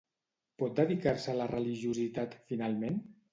Pot dedicar-se a la religiositat, finalment?